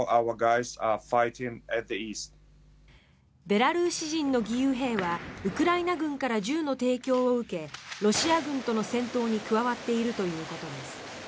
ベラルーシ人の義勇兵はウクライナ軍から銃の提供を受けロシア軍との戦闘に加わっているということです。